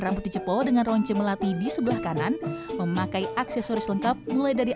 rambut di jepo dengan ronce melati di sebelah kanan memakai aksesoris lengkap mulai dari